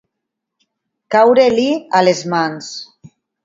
Caure-li a les mans.